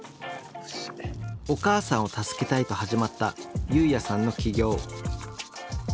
お母さんを助けたいと始まった侑弥さんの起業。